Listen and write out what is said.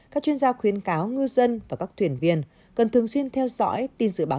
các chuyên gia khuyến cáo ngư dân và các thuyền viên cần thường xuyên theo dõi tin dự báo